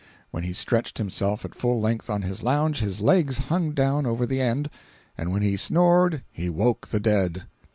When he stretched himself at full length on his lounge, his legs hung down over the end, and when he snored he woke the dead.